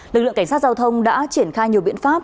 lực lượng cảnh sát giao thông đã triển khai nhiều biện pháp